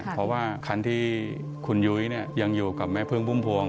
เพราะว่าคันที่คุณยุ้ยยังอยู่กับแม่พึ่งพุ่มพวง